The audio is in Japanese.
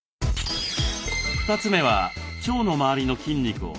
２つ目は腸の周りの筋肉を刺激します。